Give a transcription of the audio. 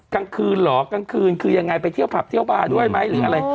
กลางคืนเหรอกลางคืนคือยังไงไปเที่ยวผับเที่ยวบาร์ด้วยไหมหรืออะไร